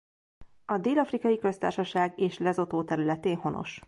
A Dél-afrikai Köztársaság és Lesotho területén honos.